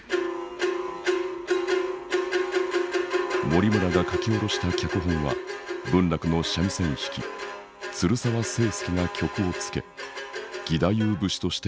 森村が書き下ろした脚本は文楽の三味線弾き鶴澤清介が曲をつけ義太夫節として上演された。